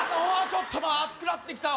ちょっと暑くなってきた。